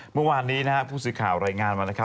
เมื่อวานนี้ภูมิสิทธิ์ข่าวรายงานมาว่า